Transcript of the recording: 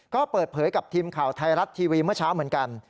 ก็เปิดเผยกับทีมข่าวไทยรัฐทีวีเมื่อเช้าเหมือนกัน